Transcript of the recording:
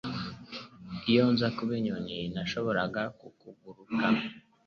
Iyo nza kuba inyoni, nashoboraga kukuguruka